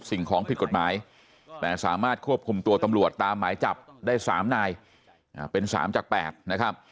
สิ่งของผิดกฎหมายแต่สามารถควบคุมตัวตำรวจตามหมายจับได้๓นายเป็น๓จาก๘นะครับ